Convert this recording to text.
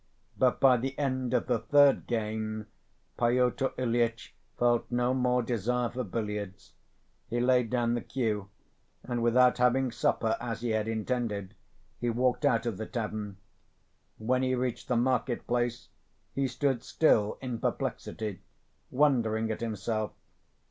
But by the end of the third game, Pyotr Ilyitch felt no more desire for billiards; he laid down the cue, and without having supper as he had intended, he walked out of the tavern. When he reached the market‐place he stood still in perplexity, wondering at himself.